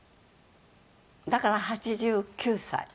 だから８９歳。